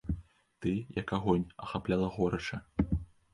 Ты, як агонь, ахапляла горача.